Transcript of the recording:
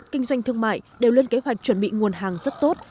kinh doanh thương mại đều lên kế hoạch chuẩn bị nguồn hàng rất tốt